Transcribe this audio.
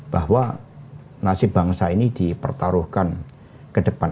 bahwa nasib bangsa ini dipertaruhkan ke depan